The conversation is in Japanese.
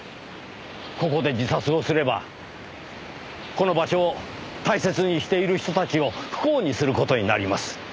ここで自殺をすればこの場所を大切にしている人たちを不幸にする事になります。